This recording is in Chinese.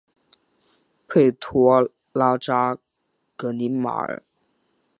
佩托拉扎格里马尼。